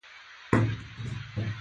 د هدیرې پر نورو قبرونو وګرځېدلو.